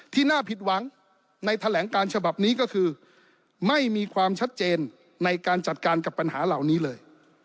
ที่น่าผิดหวังในแถลงการฉบับนี้ก็คือไม่มีความชัดเจนในการจัดการกับปัญหาเหล่านี้เลย